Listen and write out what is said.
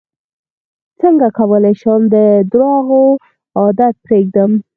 څنګه کولی شم د درواغو عادت پرېږدم